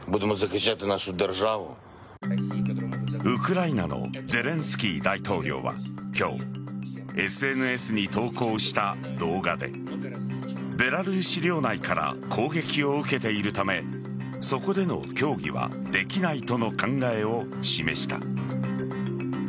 ウクライナのゼレンスキー大統領は今日、ＳＮＳに投稿した動画でベラルーシ領内から攻撃を受けているためそこでの協議はできないとの考えを示した。